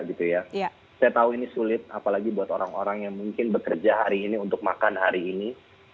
saya tahu ini sulit apalagi buat orang orang yang mungkin bekerja hari ini untuk makan hari ini